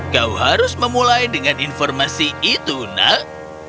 kau harus memulai dengan informasi itu nak